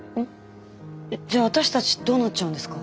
えっじゃあ私たちどうなっちゃうんですか？